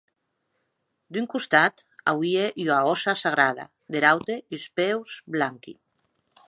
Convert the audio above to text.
D’un costat auie ua hòssa sagrada; der aute uns peus blanqui.